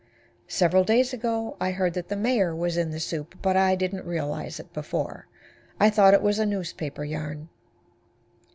Several days ago I heard that the Mayor was in the soup, but I didn't realize it before. I thought it was a newspaper yarn.